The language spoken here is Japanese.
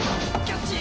キャッチ！